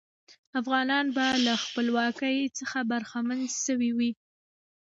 افغانان به له خپلواکۍ څخه برخمن سوي وي.